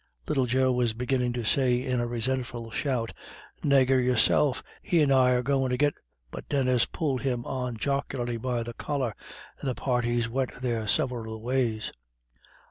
Little Joe was beginning to say in a resentful shout: "Naygur yourself he and I are goin' to get " But Denis pulled him on jocularly by the collar, and the parties went their several ways.